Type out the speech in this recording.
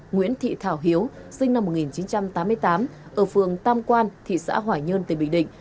nguyễn thị thảo hiếu sinh năm một nghìn chín trăm tám mươi tám ở phường tam quan thị xã hoài nhơn tỉnh bình định